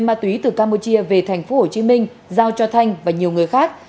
ma túy từ campuchia về thành phố hồ chí minh giao cho thanh và nhiều người khác